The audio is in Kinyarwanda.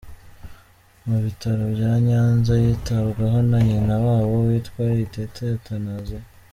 Mu bitaro bya Nyanza yitabwaho na nyina wabo witwa Itete Athanaziya.